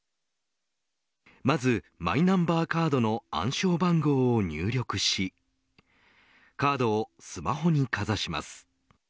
まず、マイナンバーカードの暗証番号を入力しカードをスマホにかざします。